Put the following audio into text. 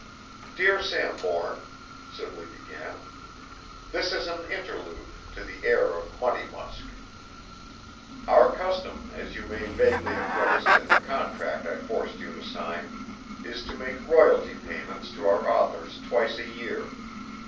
"Dear Sanbourne," Sibley began. "This is an interlude, to the air of 'Money Musk'! Our custom, as you may vaguely have noticed in the contract I forced you to sign, is to make royalty payments to our authors twice a year.